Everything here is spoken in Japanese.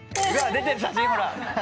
出てる写真ほら。